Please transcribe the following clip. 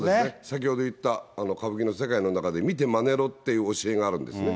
先ほど言った歌舞伎の世界の中で見てまねろっていう教えがあるんですね。